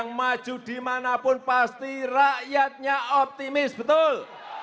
yang maju dimanapun pasti rakyatnya optimis betul